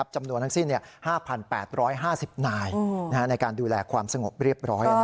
จำนวนทั้งสิ้น๕๘๕๐นายในการดูแลความสงบเรียบร้อย